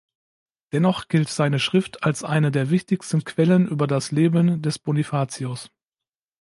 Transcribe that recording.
Dennoch gilt seine Schrift als eine der wichtigsten Quellen über das Leben des Bonifatius.